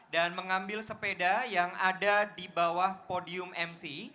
dan mengambil sepeda yang ada di bawah podium mc